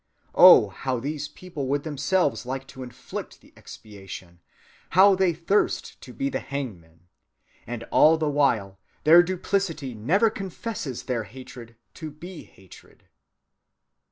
Oh, how these people would themselves like to inflict the expiation, how they thirst to be the hangmen! And all the while their duplicity never confesses their hatred to be hatred."